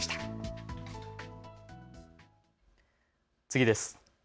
次です。